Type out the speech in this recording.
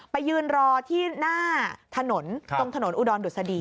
ไปยืนรอที่หน้าถนนตรงถนนอุดรดุษฎี